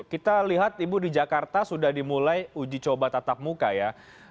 kita lihat ibu di jakarta sudah dimulai uji coba tatap muka ya